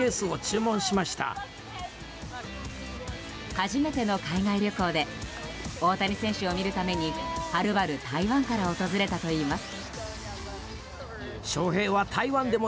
初めての海外旅行で大谷選手を見るためにはるばる台湾から訪れたといいます。